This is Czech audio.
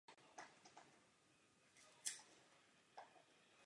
Je považován za průkopníka teorie počítačové vědy.